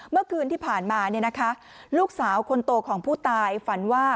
เมื่อคืนที่ผ่านมาลูกสาวคนโตของผู้ตายฝันว่า